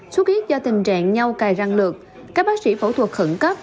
xuất huyết do tình trạng nhau cài răng lược các bác sĩ phẫu thuật khẩn cấp